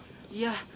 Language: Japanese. いや。